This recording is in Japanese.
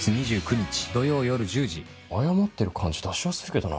謝ってる感じ出しやすいけどな。